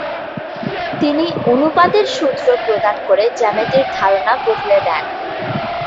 তিনি অনুপাতের সূত্র প্রদান করে জ্যামিতির ধারণা বদলে দেন।